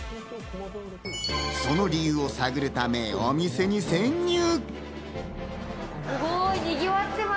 その理由を探るため、お店に潜入。